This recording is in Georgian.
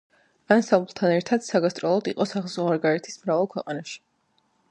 ანსამბლთან ერთად საგასტროლოდ იყო საზღვარგარეთის მრავალ ქვეყანაში.